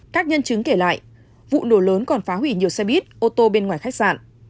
các nhân chứng kể lại vụ nổ lớn còn phá hủy nhiều xe buýt ô tô bên ngoài khách sạn